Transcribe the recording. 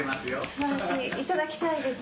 素晴らしいいただきたいです。